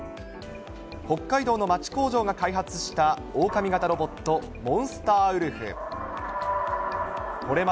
北海道の町工場が開発したオオカミ型ロボット、モンスターウルフ。